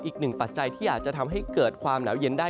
ปัจจัยที่อาจจะทำให้เกิดความหนาวเย็นได้